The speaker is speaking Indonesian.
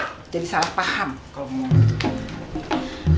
nih itu bisa bisa jadi salah paham kalau ngomong gitu